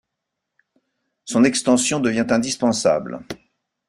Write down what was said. Son extension devient indispensable.